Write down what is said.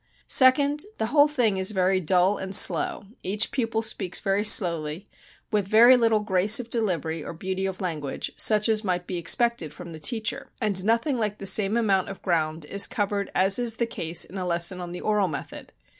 Second, the whole thing is very dull and slow; each pupil speaks very slowly, with very little grace of delivery or beauty of language, such as might be expected from the teacher, and nothing like the same amount of ground is covered as is the case in a lesson on the oral method.